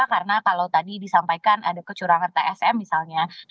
karena kalau tadi disampaikan ada kecurangan tsm misalnya